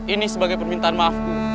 ini sebagai permintaan maafku